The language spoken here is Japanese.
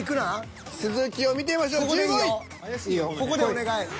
ここでお願い。